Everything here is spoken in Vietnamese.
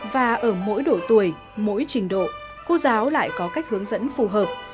và ở mỗi độ tuổi mỗi trình độ cô giáo lại có cách hướng dẫn phù hợp